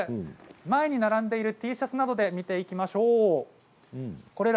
前に並んでいるＴシャツなどで見ていきましょう。